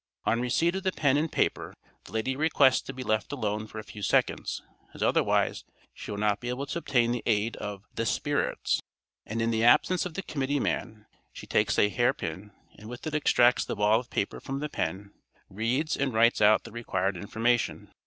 On receipt of the pen and paper the lady requests to be left alone for a few seconds, as otherwise she will not be able to obtain the aid of "the spirits," and in the absence of the committee man she takes a hair pin, and with it extracts the ball of paper from the pen, reads, and writes out the required information.